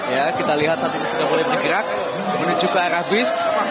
ya kita lihat saat ini sudah mulai bergerak menuju ke arah bis